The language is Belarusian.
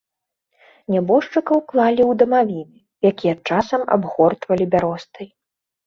Нябожчыкаў клалі ў дамавіны, якія часам абгортвалі бяростай.